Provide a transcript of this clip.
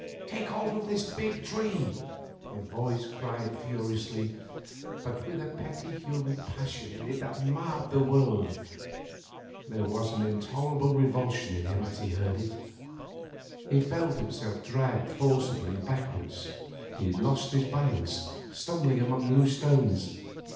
Take hold of this big tree!' The voice cried furiously, but with a petty human passion in it that marred the world. There was an intolerable revulsion in him as he heard it. He felt himself dragged forcibly backwards. He lost his balance, stumbling among loose stones.